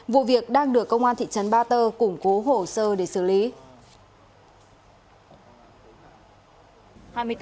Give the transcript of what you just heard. vụ việc đang được công an thị trấn ba tơ củng cố hồ sơ để xử lý